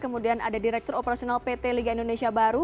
kemudian ada direktur operasional pt liga indonesia baru